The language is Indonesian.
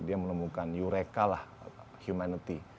dia menemukan eureca lah humanity